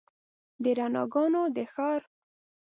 د رڼاګانو د ښار